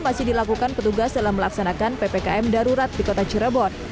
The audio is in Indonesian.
masih dilakukan petugas dalam melaksanakan ppkm darurat di kota cirebon